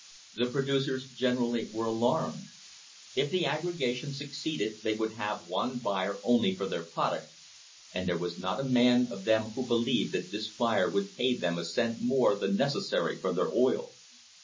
The producers generally were alarmed. If the aggregation succeeded they would have one buyer only for their product, and there was not a man of them who believed that this buyer would ever pay them a v cent more than, necessary for their oil.